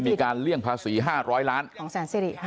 มีการเลี่ยงภาษี๕๐๐ล้านของแสนเสรี